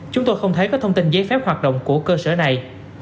chúng tôi không thấy có thông tin giấy phép hoạt động của cơ sở này